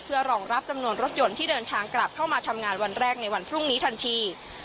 เพื่อรองรับจำนวนรถยนต์ที่เดินทางกลับเข้ามาทำงานวันแรกในวันพรุ่งนี้ทันที